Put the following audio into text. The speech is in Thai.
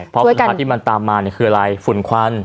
เพราะปัญหาที่มันตามมาคืออะไรฝุ่นควัน